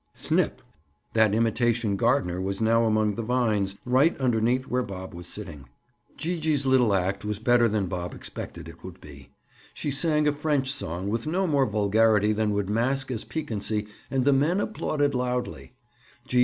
Snip! That imitation gardener was now among the vines, right underneath where Bob was sitting. Gee gee's little act was better than Bob expected it would be. She sang a French song with no more vulgarity than would mask as piquancy and the men applauded loudly.